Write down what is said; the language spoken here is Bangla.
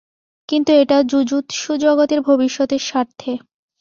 কিন্তু এটা জুজুৎসু জগতের ভবিষ্যতের স্বার্থে।